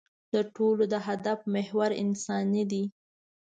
د ټولو د هدف محور انساني دی.